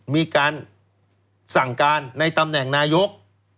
มีการสั่งการในตำแหน่งนายก